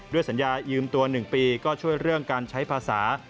สัญญายืมตัว๑ปีก็ช่วยเรื่องการใช้ภาษา